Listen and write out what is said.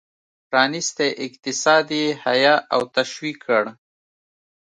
پرانیستی اقتصاد یې حیه او تشویق کړ.